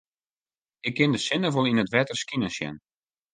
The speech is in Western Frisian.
Ik kin de sinne wol yn it wetter skinen sjen.